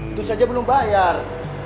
itu saja belum bayar